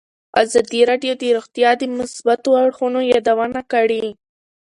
ازادي راډیو د روغتیا د مثبتو اړخونو یادونه کړې.